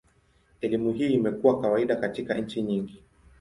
Elimu hii imekuwa kawaida katika nchi nyingi.